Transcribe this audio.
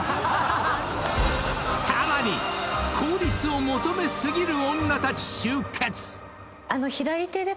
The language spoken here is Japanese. ［さらに効率を求めすぎる女たち集結！］